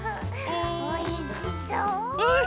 おいしそう！